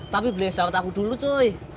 tapi beli es daurat aku dulu cuy